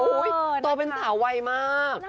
โอ้โฮตัวเป็นสาววัยมาก